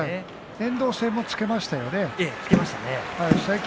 遠藤戦も頭をつけましたね。